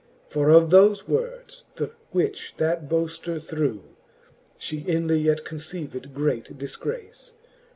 For of thofe words, the which that boafter threw, She inly yet conceived great dilgrace.